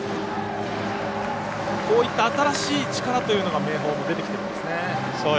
こういった新しい力というのが明豊は出てきていますね。